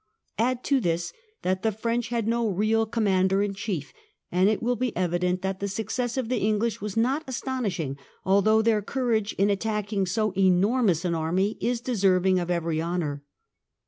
Add to this that the French had no real commander in chief, and it will be evident that the success of the English was not astonishing, although their courage in attacking so enormous an army is de serving of every honour.